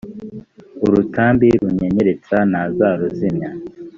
urutambi runyenyeretsa ntazaruzimya